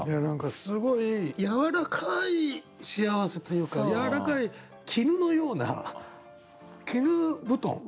何かすごいやわらかい幸せというかやわらかい絹のような絹布団。